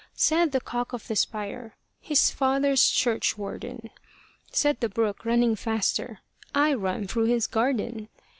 Said the cock of the spire, "His father's churchwarden." Said the brook running faster, "I run through his garden."